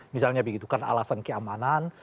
misalnya begitu karena alasan keamanan